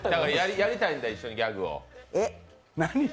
やりたいんですか、一緒にギャグを。